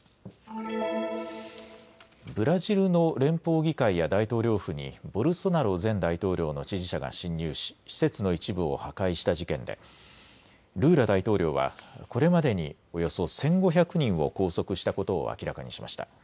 ブラジルの連邦議会や大統領府にボルソナロ前大統領の支持者が侵入し施設の一部を破壊した事件でルーラ大統領はこれまでにおよそ１５００人を拘束したことを明らかにしました。